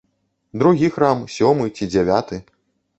Другі храм, сёмы ці дзявяты?